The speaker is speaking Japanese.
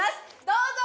どうぞ！